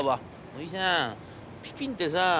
『おじさんピピンってさ